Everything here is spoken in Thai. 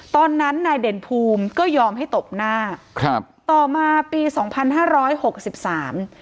ตอนนั้นนายเด่นภูมิก็ยอมให้ตบหน้าครับต่อมาปีสองพันห้าร้อยหกสิบสาม